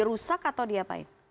dirusak atau diapain